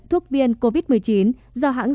thuốc viên covid một mươi chín do hãng